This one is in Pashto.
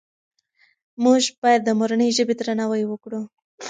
موږ باید د مورنۍ ژبې درناوی وکړو.